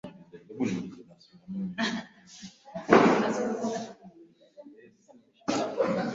miaka milioni mbili point nne iliyopita Hii